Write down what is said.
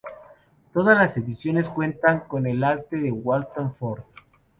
Todas las ediciones cuentan con el arte de Walton Ford.